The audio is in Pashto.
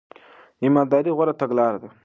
ایمانداري غوره تګلاره ده.